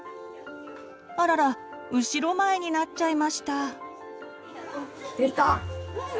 あらら後ろ前になっちゃいました。